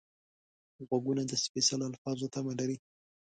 غوږونه د سپېڅلو الفاظو تمه لري